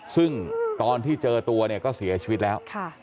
ซึ่งตอนที่เจอตัวเนี่ยก็เสียชีวิตแล้ว